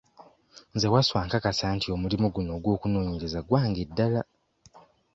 Nze Wasswa nkakasa nti omulimu guno ogw'okunoonyereza gwange ddala.